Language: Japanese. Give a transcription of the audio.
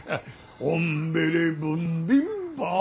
オンベレブンビンバー。